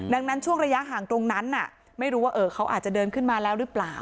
ดังนั้นช่วงระยะห่างตรงนั้นไม่รู้ว่าเขาอาจจะเดินขึ้นมาแล้วหรือเปล่า